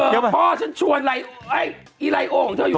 เธอพ่อฉันชวนไลโอไอ้ไอ้ไลโอของเธออยู่ไหน